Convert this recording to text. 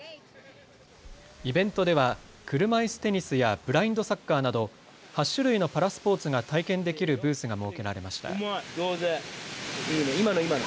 イベントでは車いすテニスやブラインドサッカーなど８種類のパラスポーツが体験できるブースが設けられました。